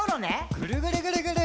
ぐるぐるぐるぐる。